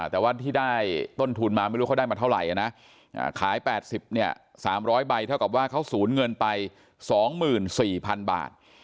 แต่ว่าที่ได้ต้นทุนมาไม่รู้เขาได้มาเท่าไหร่นะขาย๘๐เนี่ย๓๐๐ใบเท่ากับว่าเขาสูญเงินไป๒๔๐๐๐บาท